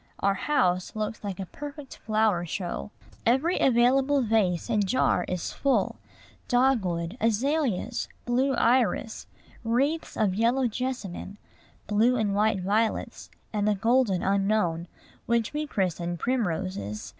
Our house looks like a perfect flower show. Every available vase and jar is full, dogwood, azaleas, blue iris, wreaths of yellow jessamine, blue and white violets, and the golden unknown, which we christen primroses.